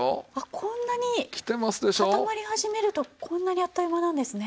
こんなに固まり始めるとこんなにあっという間なんですね。